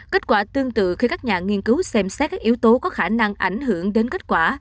kết quả tương tự khi các nhà nghiên cứu xem xét các yếu tố có khả năng ảnh hưởng đến kết quả